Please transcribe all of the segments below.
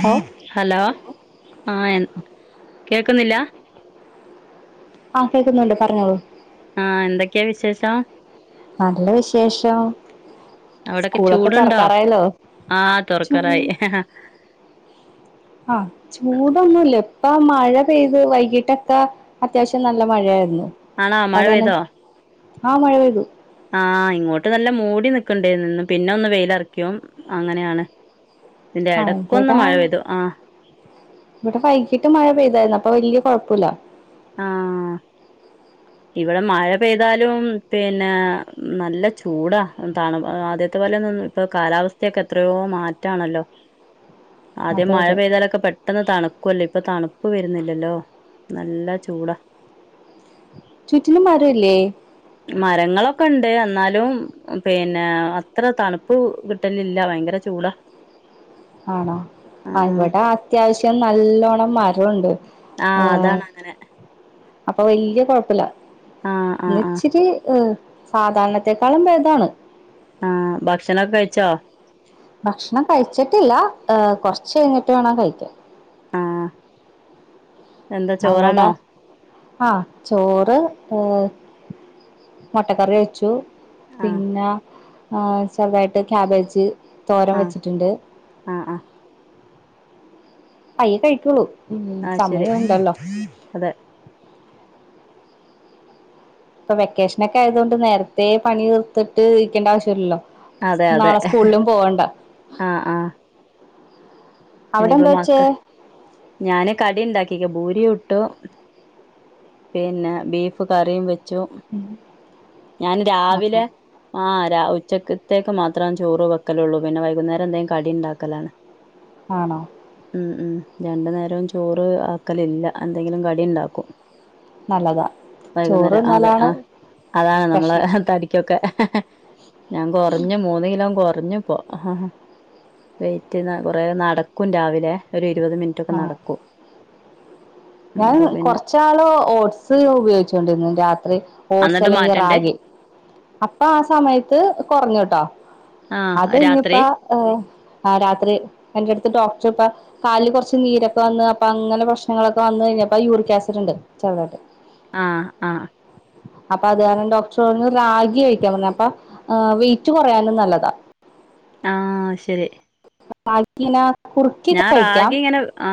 Hello hello ആ എന്ത കേക്കുന്നില്ല ആ കേക്കുന്നുണ്ട് പറഞ്ഞോളു ആ എന്തൊക്കെയാ വിശേഷം നല്ല വിശേഷം അവിടൊക്കെ സ്കൂളൊക്കെ ചൂട്ണ്ടോ തുറക്കാറായല്ലോ ആ ചൂ തൊറക്കാറായി ആ ചൂടൊന്നുംല്ല ഇപ്പ മഴ പെയ്ത് വൈകിട്ടൊക്കെ അത്യാവശ്യം നല്ല മഴയായിരുന്നു ആണൊ മഴ പെയ്തോ? ആഹ് മഴ പെയ്തു ആഹ് ഇങ്ങോട്ട് നല്ല മൂടി നിക്കുന്നുണ്ടായിന്നു പിന്നൊന്ന് വെയിലൊറയ്ക്കും അങ്ങനെയാണ് ഇതിന്റെ ആ ഇടക്കൊന്ന് ഇവിടാ മഴ പെയ്തു ആഹ് ഇവിടെ വൈകിട്ട് മഴ പെയ്തായിരുന്നു അപ്പൊ വല്ല്യാ കൊഴപ്പല്ല ആഹ് ഇവിടെ മഴ പെയ്താലും പിന്നെ നല്ല ചൂടാ തണ ആദ്യത്തെ പോലെന്ന ഇപ്പൊ കാലാവസ്ഥയൊക്കെ എത്രയോ മാറ്റാണല്ലോ ആദ്യം അതെ മഴ അതെ പെയ്താലൊക്കെ പെട്ടെന്ന് തണു ക്കുവല്ലേ ഇപ്പൊ തണുപ്പ് വരുന്നില്ലല്ലോ നല്ല ചൂടാ ചുറ്റിലും മരം ഇല്ലേ മരങ്ങളൊക്കെ ഇണ്ട് എന്നാലും പിന്നെ അത്ര തണുപ്പ് ക് ട്ടലില്ല ഭയങ്കര ചൂടാ ആണോ ആ ഇവ്ടെ അത്യാവശ്യം നല്ലോണ്ണം മരം ഇണ്ട് ആ അതാണ് അങ്ങനെ അപ്പ വല്ല്യ കൊഴപ്പല്ല ആ ആ ഇന്ന് ആ ച്ചിരി ഹ് സാധാരണത്തെക്കാളും ഭേദാണ് ആ ഭക്ഷണൊക്കെ കഴിച്ചോ ഭക്ഷണം കഴിച്ച്ട്ടില്ല ഹേ കൊർച്ച് കഴിഞ്ട്ട് വേണം കഴിക്കാൻ ആ എന്താ ചോറാണോ ആ ചോറ് ഉം മൊട്ടക്കറി വെച്ചു ആ പിനാ ആ ചെർതായ്ട്ട് ക്യാബേജ് തോരം ആ വെച്ചിട്ട്ണ്ട് ആ ആ പയ്യേ കഴിക്കോള്ളൂ ആ ശരി അതെ ഇപ്പം വെക്കേഷനൊക്കെ ആയതൊണ്ട് നേരത്തെ പണി തീർത്ത്ട്ട് ഇരിക്കേണ്ട ആവശ്യല്ലല്ലോ അതെ അതെ ആ ആ അവിടെ ഇനിപ്പോ എന്താ വെച്ചേ മക്ക ഞാന് കടി ഇണ്ടാക്കിക്കാ പൂരി ചുട്ടൂ. പിന്നെ ബീഫ് കറിയും വെ ഉം. ഞാന് രാവിലെ ആ ആ രാ ഉച്ചക്കത്തേക്ക് മാത്രം ചോറ് വെക്കലൊള്ളൂ പിന്നെ വൈകുന്നേരം എന്തേം കടി ഇണ്ടാക്കലാണ്. ആണോ ഉം ഉം. രണ്ടു നേരം ചോറ് ആക്കലില്ല എന്തെങ്കിലും കടി ഇണ്ടാക്കും. നല്ലതാ അതെ ആ ചോറ്ന്നാലാണ് അതാണ് നമ്മളെ തടിക്കൊക്കെ ഞാൻ കുറഞ്ഞു മൂന്ന് കിലോ ഞാൻ കുറഞ്ഞിപോ വെറ്റ് കൊറേ നടക്കും രാവിലെ ഒരു ഇരുപത് മിനിറ്റൊക്കെ ആഹ് നടക്കും ഞാൻ അപ്പൊ പിന്നെ കൊറച്ചാള് ഓട്സ് ഉപയോഗിച്ചോണ്ടിന്ന് രാ ത്രി ഓട്സ് അന്നിട്ട് അല്ലെങ്കിൽ മാറ്റണ്ടേ റാഗി അപ്പൊ ആ സമയത്ത് കുറഞ്ഞുട്ടോ ആ അത് ഇനിയിപ്പ രാത്രി രാത്രി എന്റെ അടുത്ത് ഡോക് പ്പ കാലിൽ കുറച്ച് നീരൊക്കെ വന്ന അപ്പ അങ്ങനെ പ്രശ്നങ്ങളൊ ഇപ്പ വു കഴിഞ്ഞപ്പപ്പോ യൂറിക് ആസിഡ് ഇണ്ട് ചെുതായിട്ട് ആ ആ അപ്പൊ അത് കാരണം ഡോക്ടർ പറഞ്ഞു റാഗി കഴിക്കാൻ പറഞ്ഞ അപ്പ വെയിറ്റ് കുറയാനും നല്ലതാ ആഹ് ശരി ബാക്കിന ഞാൻ റാഗി ഇങ്ങനെ ആ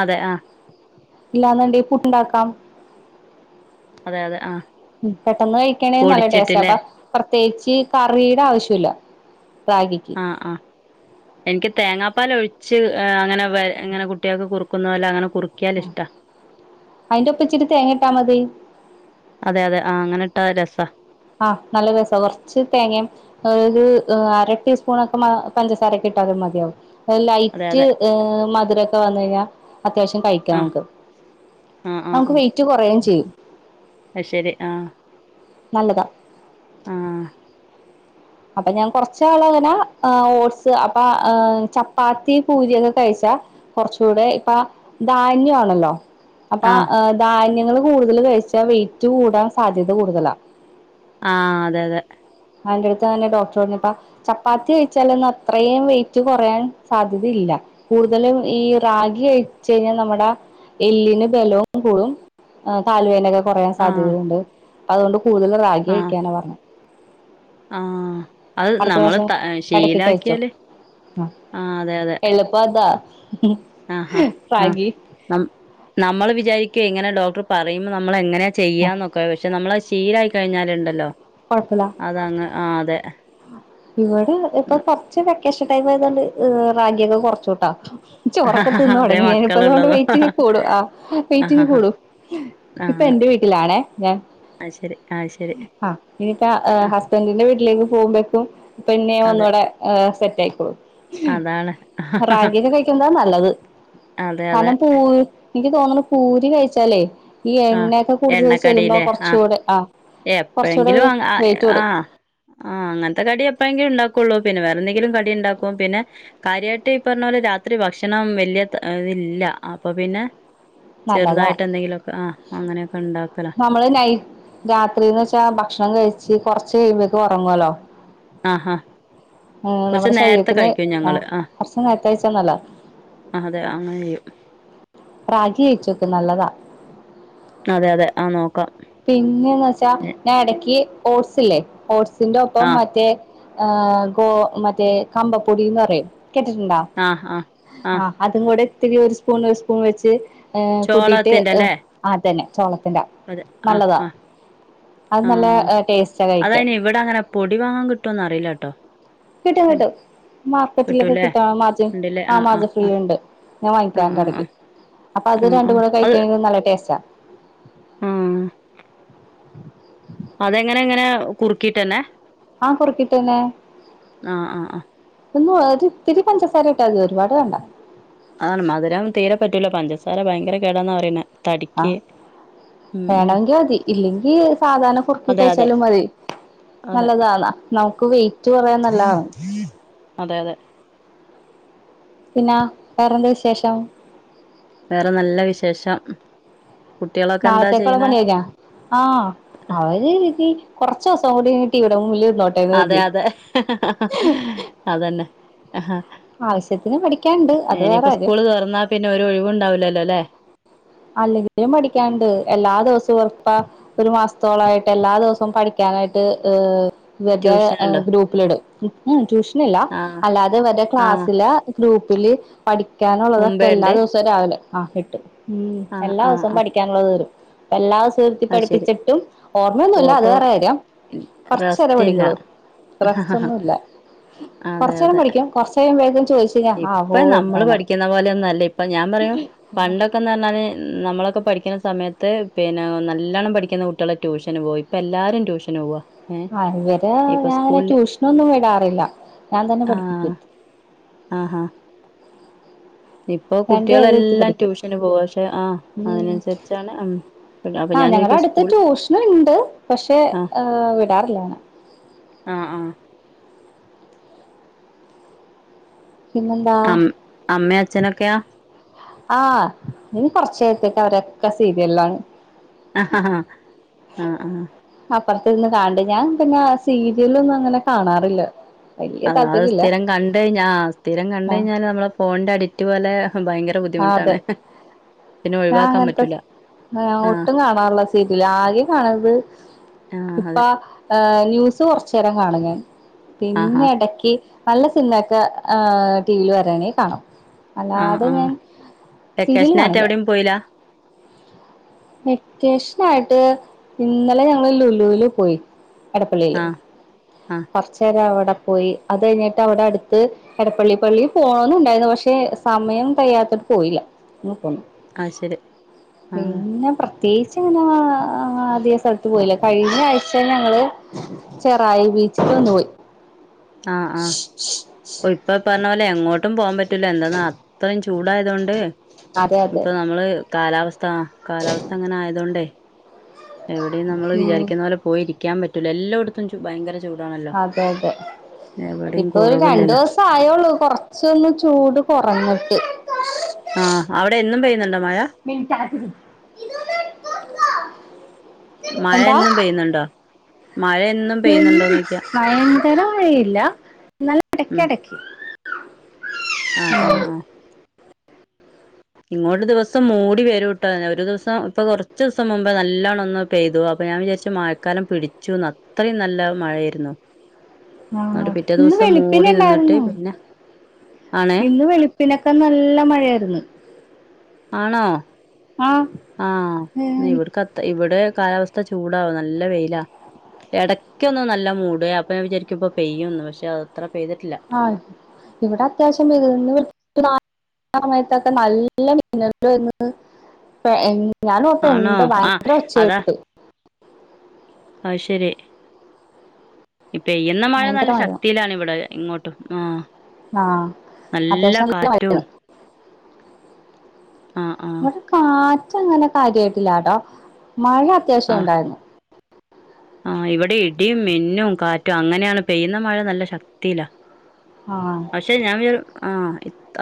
അതെ ആഹ് ഇല്ലാന്ന്ണ്ടേ ഫുഡുണ്ടാക്കാം അതെ അതെ ആ പെട്ടെന്ന് കഴിക്കണെ നല്ല ടേസ്റ്റ് പൊടിച്ചിട്ടില്ലേ അപ്പ ചേച്ചി കറിയുടെ ആവശ്യല്ല റാഗിക്ക് ആ ആ എനിക്ക് തേങ്ങാപ്പാല് ഒഴിച്ച് അങ്ങനെ ഇങ്ങനെ കുട്ടികൾക്ക് കുറുക്കുന്ന അല്ല അങ്ങനെ കുറുക്കിയാൽ ഇഷ്ടാ അയിന്റെ ഒപ്പ ഇച്ചിരി തേങ്ങട്ടാ മതി ആഹ് അങ്ങനെ ട്ടാ അത് രസ ആഹ് നല്ല രസ കുറച്ച് തേങ്ങയും ഒര് അര ടീസ്പൂൺ ഒക്കെ പഞ്ചസാര ഒക്കെ ഇട്ടാലും മതിയാവും അതെ ലൈറ്റ് അതെ മധുര ക്കെ വന്നായ്ഞ്ഞ അത്യാവശ്യം കഴിക്കാം ആ നമുക്ക് ആ ആ നമുക്ക് ആ വെയിറ്റ് കുറയും ചെയ്യും അത് ശരി ആ നല്ലതാ ആ അപ്പൊ ഞാൻ കൊറച്ച് നാള് അങ്ങനെ അ ഓട്സ് അപ്പ ചപ്പാത്തി പൂരി ഒക്കെ കഴിച്ചാ കുറച്ചുകൂടെ ഇപ്പ ധാന്യ ആണല്ലോ അപ്പൊ ആ ങ് ധാന്യങ്ങളും കൂടുതല് കഴിച്ചാ വെയിറ്റ് കൂടാൻ സാധ്യത കൂടുതലാ ആഹ് അതെ അതെ അ [unintelligible] ഇതാ തന്നെ ഡോക്ടർ പറഞ്ഞപ്പം ചപ്പാത്തി കഴിച്ചാലൊന്നും അത്രയും വെയിറ്റ് കുറയാൻ സാധ്യതയില്ല കൂടുതലും ഈ റാഗി കഴിച്ച് കഴിഞ്ഞാൽ നമ്മുടെ എല്ലിന് ബലവും കൂടും കാല് വേദനയൊക്കെ - കൊറയാൻ ആ സാധ്യതയുണ്ട് അതുകൊണ്ട്- കൂടുതലും റാഗി കഴിക്കാനാ പറഞ്ഞത് ആഹ് അത് അടുത്ത നമ്മള് പ്രാവശ്യം ത ഇടക്ക് കഴിച്ചോ ശീലക്കിയാല് ആ അതെ അതെ എളുപ്പം അതാ ആഹ് അഹ് ആ റാഗി നമ്മ് നമ്മള് വിചാരിക്കുവേ ഇങ്ങനെ ഡോക്ടറ് - പറയുന്ന നം മ്മളങ്ങെനെ ആ ചെയ്യാന്നൊക്കെ പക്ഷെ നമ്മളത് ശീലായി കഴിഞ്ഞാല്ണ്ടല്ലോ കൊഴപ്പല്ലാ ആ അതെ. ഇവടെ ഇപ്പൊ കൊർച് വെക്കേഷൻ ടൈമായത് കൊണ്ട് റാഗി ഒക്കെ കൊറച്ചൂട്ടോ ചോറൊക്കെ തിന്നു അതെ തുടങ്ങി [unintelligible] അതുകൊണ്ട് മക്കളുള്ളതോ വെയ്റ്റിനി കൂടും ആ ആ വെയ്റ്റിനി കൂടും ആ ഇപ്പ ആ എന്റെ വീട്ടിലാണേ ഞാൻ അത് ശരി അത് ശരി ആ ഇനിയിക്ക ആ ഹസ്ബൻഡിന്റെ വീട്ടിലേക്ക് പോകുമ്പേക്കും പിന്നെയും അതെ ഒന്നൂടെ സെറ്റ് ആയി അതാണ് [unintelligible] റാഗിയക്കെ കഴിക്കുന്താ നല്ലത് അതെ അതെ കനം പൂ എനിക്ക് തോന്നുണു പൂരി കഴിച്ചാലേ ഈ ആ എണ്ണയൊക്കെ കുടുത ചെല്ലുമ്പോ കുറച്ചുകൂടെ ആ കൊറച്ചുകൂടെ എപ്പോഴെങ്കിലും ആ വെയിറ്റ് ആ കൂടും അങ്ങൻ [unintelligible] കടി എപ്പോഴെങ്കിലും ഉണ്ടാക്കുള്ളൂ പിന്നെ വേറെ എന്തെങ്കിലും കടി ഉണ്ടാക്കും പിന്നെ കാര്യയിട്ട് ഈ പറഞ്ഞ പോലെ രാത്രി ഭക്ഷണം വലിയ ഇല്ല അപ്പൊ പിന്നെ നല്ലതാ ചെറുതായിട്ട് എന്തെങ്കിലുമൊക്കെ ആ അങ്ങനെയൊക്കെ ഉണ്ടാക്കല നമ്മള് നൈ രാത്രിന്ന് വെച്ചാ ഭക്ഷണം കഴിച്ച് കൊറച്ചു കഴിയുമ്പോക്ക ഉറങ്ങല്ലോ ആ ഹ ഉം നമ്മുടെ ശരീരത്തിന് ആ കുറച്ച നേരത്തെ കഴിച്ച നല്ല ആ അതെ അങ്ങനെ ചെയ്യും പ്രാജി അയിച്ചോക്ക് നല്ലതാ അതെ അതെ ആ നോക്കാം പിന്നെന്ന് വെച്ചാ ഞാൻ ഇടക്ക് ഓട്സ് ഇല്ലേ ഓട്സ് ഇതിന്റഒപ്പം ആ മറ്റെ ആ ഗോ മറ്റേ കമ്പപ്പൊടീന്ന് പറയും കേട്ടിട്ടുണ്ടാ ആ ആ ആ അതും കൂടെ ഇത്തിരി ഒരു സ്പൂൺ ഒരു സ്പൂൺ വെച്ച് ഏഹ് കൂട്ടിയിട്ട് ചോളത്തിന്റെല്ലേ ആതന്നെ ചോളത്തിന്റെ അതെ ആ നല്ലതാ ആ അത് ആ നല്ല ടേസ്റ്റാ കഴിക്കാൻ അതായിന് ഇവടെ അങ്ങനെ പൊടി വാങ്ങാൻ കിട്ടോന്ന് അറിയില്ലാട്ടോ കിട്ടും കിട്ടും മാർക്കറ്റിലൊക്കെ കിട്ടാ മാർജിൻ ഉണ്ടല്ലേ ആ ആഹ് ആഹ് മാർജിൻ ഫ്രീലിണ്ട്, ഞാൻ ആഹ് വാങ്ങിക്കാറിണ്ട് ആഹ് എടയ്ക്ക്, ആഹ് അപ്പൊ അത് ആഹ് ആഹ് രണ്ട് കൂടെ കഴിക്കാൻ നല്ല ടേ റ്റാ ഉം അതെങ്ങനെ എങ്ങനെ കുറുക്കീട്ടന്നെ ആഹ കുറക്കീട്ടന്നെ ആഹ് ആഹ് ആഹ് ഒന്ന് ഒരിത്തിരി പഞ്ചസാരായിട്ടാ മതി ഒരുപാട് വേണ്ട ആ മധുരം തീരെ പറ്റൂല പഞ്ചസാര ഭയങ്കര കേടാന്നാ പറയണെ ആഹ തടിക്ക് ഉം ഉം വേണമെങ്കിൽ മതി ഇല്ലെങ്കി സാധാരണ കുറുക്കി അതെ അതെ കഴിച്ചാലും മതി അതെ നല്ലതാണ് നമുക്ക് വെറ്റ് കുറയാ നല്ലതാണ് അതെ അതെ പിന്നാ വേറെന്താ വിശേഷം? വേറെ നല്ല വിശേഷം കുട്ടികളൊക്കെ എന്താ നാളത്തേക്കുള്ള ചെയ്യണെ പണി കയിഞ്ഞ ആഹ അവര് രീതി- കുറച്ച് ദിവസം കൂടി ഇവിടുംല് അതെ അതെ അതന്നെ ആഹ് ആവശ്യത്തിന് പഠിക്കാണ്ട് അത് വേറെ ഇനിയിപ്പോ കാര്യം. സ്കൂള് തുറന്നാ പിന്നെ ഒരു ഒഴിവും ഉണ്ടാവൂലല്ലോ അല്ലേ? അല്ലെങ്കിലും പഠിക്കാനണ്ട് എല്ലാ ദിവസവും ഉറപ്പ ഒരു മാസത്തോളായിട്ട് എല്ലാ ദിവസവും പഠിക്കാനായിട്ട് ഹ് ഇവരുടെ ട്യൂഷൻ ഉണ്ടോ ഗ്രൂപ്പിലിടും ഉം ട്യൂഷനില്ല ആഹ് അല്ലാതെ ഇവരുടെ ആഹ് ക്ലാസ്സിലെ ഗ്രൂപ്പ്- ല് പഠിക്കാനുള്ളതൊക്കെ മുമ്പേ എല്ലാ ഉണ്ട് ദിവസവും രാവിലെ പഠി - ആ കെട്ടും മ് ആഹ് എല്ലാ ആഹ് ദിവസവും ആഹ് പഠിക്കാനുള്ളത് തരും എല്ലാ- [unintelligible] നിർത്തി അത് ശരി പട്പ്പിച്ചിട്ടും ഓ ഓർമ്മയൊന്നുമില്ല അത് അപ്പൊ വേറെ കാര്യം കൊറച്ച് നേരമേ റെസ്റ്റില്ല പഠിക്കുള്ളൂ റെസ്റ്റ് ഒന്നുമില്ല കൊറച്ച് നേരം പഠിക്കും കൊറച്ച് നേരം വേ ഇപ്പ നമ്മള് പഠിക്കുന്ന പോലെയൊന്നും അല്ല ഇപ്പൊ ഞാൻ പറയും പണ്ടൊക്കെന്ന് പറഞ്ഞാല്- നമ്മളൊക്കെ പഠിക്കുന്ന സമയത്ത് പിന്നെ നല്ലവണ്ണം പഠിക്കുന്ന കുട്ടികള് ട്യൂഷന് പോയി ഇപ്പ എല്ലാരും ട്യൂഷന് പോവാ. ഏഹ് ആ ഇവരെ ഇപ്പൊ ഞാന് സ്കൂളില് ട്യൂഷനൊന്നും വിടാറില്ല ഞാൻ തന്നെ ആഹ് പഠിപ്പിക്കും. ആഹാ ഇപ്പൊ എന്റെ അനിയത്തി കുട്ടികളെല്ലാം പഠിക്കും ട്യൂഷന് പോവാ പക്ഷെ ആഹ് മ് അതിനനുസരിച്ചാണ് ഉം അപ്പൊ ആ ഞാൻ ഞങ്ങടെ ചോദിക്കും അടുത്ത് സ്കൂൾ ട്യൂഷന് ഇണ്ട് പക്ഷെ ആഹ് വിടാറില്ല ആ ആ പിന്നെന്താ അമ്മ് അമ്മേം അച്ഛനൊക്കെയൊ? ആഹ് ഇനി കൊറച്ച് നേരത്തേക്ക് അവരെക്ക സീരിയലിലാണ് അ ഹ ഹാ ആഹ് ആഹ് അപ്പറത്തിരുന്ന് കണണ് ണ്ട് ഞാൻ പിന്നെ സീരിയലൊന്നും അങ്ങനെ കാണാറില്ല വല്യ അതാ അത് താല്പര്യല്ല സ്ഥിരം കണ്ട് കഴിഞ്ഞ ആ സ്ഥിരം കണ്ട് ആ കഴിഞ്ഞാല് നമ്മള് ഫോണിന്റെ അഡിക്റ്റ് പോലെ- ഭയങ്കര ആ അതെ ബുദ്ധിമുട്ടാണ് പിന്നെ ഞാൻ ഒഴിവാക്കാൻ അങ്ങനത്തെ സ്‌ പറ്റൂല ആഹ് ഒട്ടും കാണാറില്ല സീരിയല് ആകെ കാണണത് ആഹ് ഇപ്പ അതെ ഏഹ് ന്യൂസ് കൊറച്ച് രം കാണും ഞാൻ പിന്നെ ആഹാ എടക്ക് നല്ല സിനിമയൊക്കെ ആ ടി വീല് വരെണേ കാണും ആഹ് അല്ലാതെ ആഹ് ഞാൻ സീരിയല് വെക്കേഷനായിട്ട് കാണൂല എവിടെയും പോയില്ല വെക്കേഷ് നായിട്ട് ഇന്നലെ ഞങ്ങള് ലുലുവില് പോയി എടപ്പള്ളിയില് ആഹ് ആഹ് കൊറച്ചേരം അവിട പോയി അത് കഴിഞ്ഞിട്ട് അവിടെ അടുത്ത് എടപ്പള്ളി പള്ളി പോണന്ന് ഉണ്ടായിരുന്നു പക്ഷെ സമയം കഴിയാത്തട്ത്ത് പോയില്ല [unintelligible] അത് ശരി ആഹ് പിന്ന പ്രെ പ്രത്യേകിച്ച് അങ്ങനെ ആ അധികം സ്ഥലത്ത് പോയില്ല കഴിഞ്ഞ ആഴ്ച ഞങ്ങള് ചെറായി ബീ ച്ചിക്ക് ഒന്ന് പോയി ആഹ് ആഹ് പ്പൊ ഇപ്പൊ പറഞ്ഞ പോലെ എങ്ങോട്ടും പോവാൻ പറ്റ് റ്റൂല എന്താന്ന് അത്രയും ചു ചൂടായതുകൊണ്ട് അതെ അതെ ഇപ്പൊ നമ്മള് കാലാവസ് ആ കാലാവസ്ഥ അങ്ങനെ ആയതുകൊണ്ടേ എവിടെയും നമ്മള് ഉം വിചാരിക്കുന്ന പോലെ പോയിരിക്കാൻ പറ്റൂല എല്ലോടത്തും ത്തും ഭയങ്കര ചൂടാണല്ലോ അതെ അതെ എവിടെയും ഇപ്പൊ ഒരു രണ്ടു കുറവില്ലല്ലോ ദിവസം ആയോള്ളൂ കൊറച്ചൊന്ന് ചൂട് കുറഞ്ഞു ട്ട് ആഹ് അവിടെ എന്നും പെ മിണ്ടാതിരി മഴ എന്നും പെയ്യുന്നുണ്ടോ മഴ എന്നും പെയ്യുന്നുണ്ടോ നോക്കിയാ കുറേ മഴയില്ല എന്നാലും ഇടക്ക് ഇടക്ക് ആഹ് ആഹ് ആഹ് ഇങ്ങോട്ട് ദിവസം മൂടി വരൂട്ടോെ ഒരു ദിവസം ഇങ്ങോട് ദിവസം മൂടി വരുട്ടോ ഒരു ദ്വസം പ്പോ കുറച്സംമുമ്പ് നല്ലവണ്ണം ഒന്ന് പെയ്തു അപ്പൊ ഞാൻ വിചാരിച്ചു മഴക്കാലം പിടിച്ചുന്ന് അത്രയും നല്ല മഴ ആായിരുന്നു ആഹ് ഇന്ന് വെളുപ്പിന് നിന്നിട്ട് ഇണ്ടായിരുന്നു പിന്നെ ആണേ ഇന്ന് വെളുപ്പിനൊക്കെ നല്ല മഴായിരുന്നു ആണോ ആഹ ഇവിട്ക്കത്ത ഇവിടെ കാലാവസ്ഥ ചൂടാവോ നല്ല പെയില ഇടക്കൊന്നും നല്ല മൂട അപ്പ വിചാരിക്കും ഇപ്പ പെയ്യന്ന്ന് പക്ഷെ അത്ര പെയ്തിട്ടില്ല ആഹ ഇവിടെ അത്യാവശ്യം പെയ്ത്കന്ന് സമയത്തൊക്കെ നല്ല മിന്നൽ വന്ന് [unintelligible] ആണോ ആഹ അതാ അയ്ശരി ഇപ്പെയ്യുന്ന മഴ നല്ല ശക്തിയിലാണ് ഇവിടെ ഇങ്ങോട്ടും ആഹ ആഹ് നല്ല അത്യാവശ്യം മഴ കാറ്റും ആ ആ ഇവടെ കാ റ്റ്അങ്ങനെ കാര്യമായിട്ടില്ലാട്ടോ മഴ ആ അത്യാവശ്യം ഉണ്ടായിരുന്നു ആ ഇവിടെ ഇടിയും മിന്നും കാറ്റും അങ്ങനെയാണ് പെയ്യുന്ന മഴ നല്ല ശക്തിയിലാ ആഹ് പക്ഷെ ഞാൻ വി ആഹ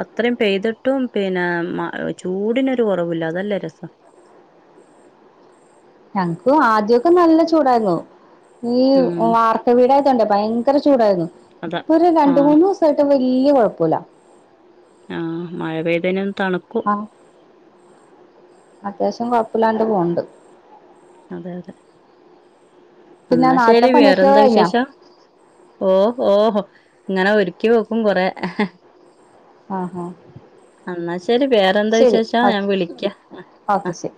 അത്രയും പെയ്തിട്ടും പിന്നെ ചൂടിനൊരു കുറവില്ല അതല്ലേ രസം ഞങ്ങക്ക് ആദ്യൊക്കെ നല്ല ചൂടായിരുന്നു ഈ ഉം വാർപ്പ് വീടായിത്ോണ്ടേ ഭയങ്കര ചൂടായിരുന്നു അതാ ഇപ്പൊ ഒരു ആ രണ്ട് മൂന്ന്ു ദിവസായിട്ട് വല്ിയ കൊഴപ്പില്ല അ [unintelligible] ആ അത്യാവശ്യം കൊഴപ്പില്ലാണ്ട് പോണ്ട് അതെ അതെ പിന്നെ എന്നാ ശരി നാളത്തെ പണിയൊക്കെ വേറെന്താ കഴിഞ്ഞോ വിശേഷം ഓ ഓഹോ ഇങ്ങനെ ഒരുക്കി വെക്കും കൊറെ ആ ഹാ ആന്നാ ശ ശരി വേറെന്താ വിശേഷം ഞാൻ വിളിക്ക ഓക്കെ ശരി